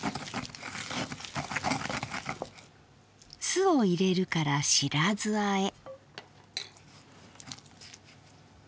酢を入れるから白酢あえ。